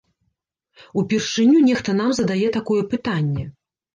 Упершыню нехта нам задае такое пытанне!